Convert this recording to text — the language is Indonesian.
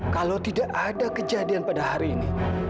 kalau tidak ada kejadian pada hari ini